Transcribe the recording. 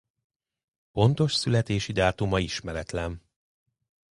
Pontos születési dátuma ismeretlen.